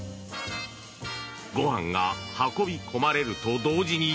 ご飯が運び込まれると同時に。